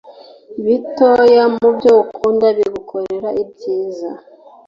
gitoya mubyo ukunda bigukorera ibyiza